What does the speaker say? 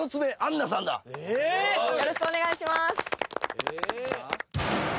よろしくお願いします。